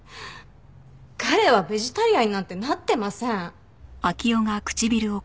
彼はベジタリアンになんてなってません。